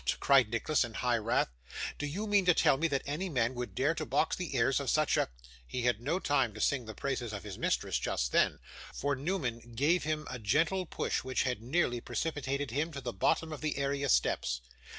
cried Nicholas, in high wrath, 'do you mean to tell me that any man would dare to box the ears of such a ' He had no time to sing the praises of his mistress, just then, for Newman gave him a gentle push which had nearly precipitated him to the bottom of the area steps.